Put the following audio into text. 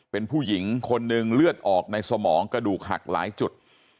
เป็นผู้หญิงคนหนึ่งเลือดออกในสมองกระดูกหักหลายจุด